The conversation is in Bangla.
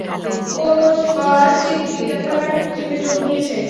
ও স্কলাস্টিক ডিক্যাথলন টিমে যোগ দিয়েছে।